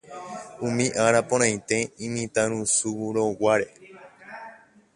umi ára porãite imitãrusúrõguare